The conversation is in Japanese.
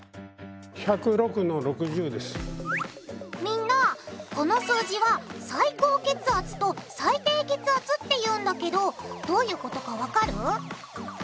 みんなこの数字は最高血圧と最低血圧って言うんだけどどういうことかわかる？